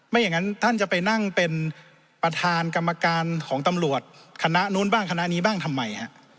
อย่างนั้นท่านจะไปนั่งเป็นประธานกรรมการของตำรวจคณะนู้นบ้างคณะนี้บ้างทำไมฮะ